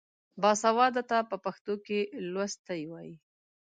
باسواده ته په پښتو کې لوستی وايي.